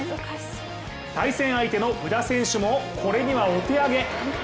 対戦相手の宇田選手もこれにはお手上げ。